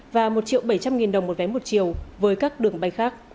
và một bảy trăm linh nghìn đồng một vé một chiều với các đường bay khác